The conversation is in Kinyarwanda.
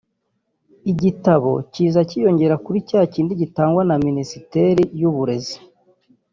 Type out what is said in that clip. igitabo kiza kiyongera kuri cya kindi gitangwa na Minisiteri y’Uburezi